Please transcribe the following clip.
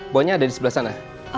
bonya ada di sebelah sana